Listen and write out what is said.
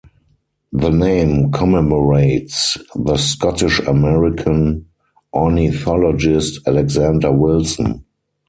The name commemorates the Scottish-American ornithologist Alexander Wilson.